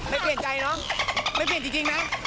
ไม่เปลี่ยนใจเนอะไม่เปลี่ยนจริงนะ